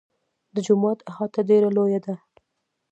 د جومات احاطه ډېره لویه ده.